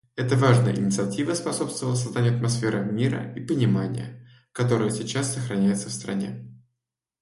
Эта важная инициатива способствовала созданию атмосферы мира и понимания, которая сейчас сохраняется в стране.